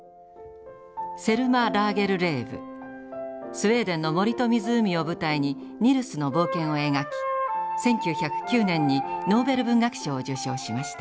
スウェーデンの森と湖を舞台にニルスの冒険を描き１９０９年にノーベル文学賞を受賞しました。